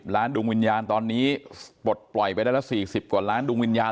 ดวงวิญญาณตอนนี้ปลดปล่อยไปได้ละ๔๐กว่าล้านดวงวิญญาณ